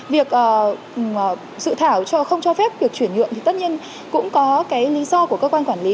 việc dự thảo không cho phép việc chuyển nhượng thì tất nhiên cũng có cái lý do của cơ quan quản lý